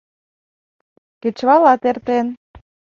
Кечывалат эртен.